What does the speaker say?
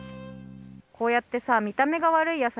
こうやってさみためがわるい